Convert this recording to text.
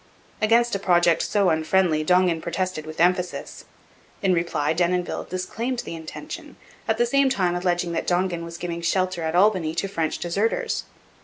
Against a project so unfriendly Dongan protested with emphasis. In reply Denonville disclaimed the intention, at the same time alleging that Dongan was giving shelter at Albany to French deserters.